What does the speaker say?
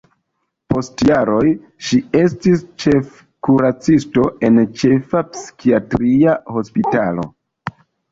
Post jaroj ŝi estis ĉefkuracisto en ĉefa psikiatria hospitalo.